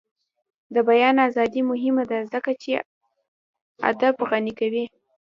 د بیان ازادي مهمه ده ځکه چې ادب غني کوي.